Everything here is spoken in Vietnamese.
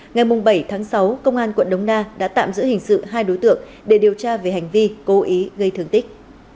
ngày bảy tháng sáu công an quận đống đa đã tạm giữ hình sự hai đối tượng để điều tra về hành vi cố ý gây thương tích